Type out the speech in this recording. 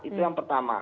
itu yang pertama